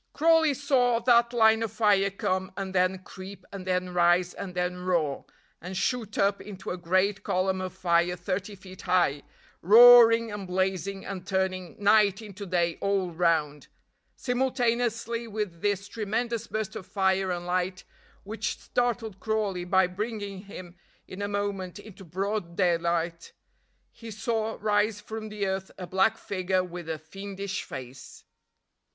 Crawley saw that line of fire come and then creep and then rise and then roar, and shoot up into a great column of fire thirty feet high, roaring and blazing, and turning night into day all round. Simultaneously with this tremendous burst of fire and light, which startled Crawley by bringing him in a moment into broad daylight, he saw rise from the earth a black figure with a fiendish face.